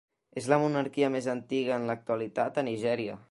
És la monarquia més antiga en l'actualitat a Nigèria.